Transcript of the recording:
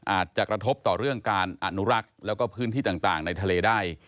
อาจจะกระทบต่อเรื่องการอนุรักษ์แล้วก็พื้นที่ต่างในทะเลได้